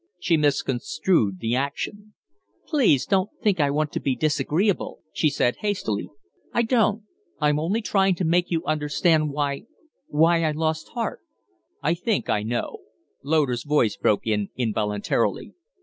She misconstrued the action. "Please don't think I want to be disagreeable," she said, hastily. "I don't. I'm only trying to make you understand why why I lost heart." "I think I know," Loder's voice broke in involuntarily.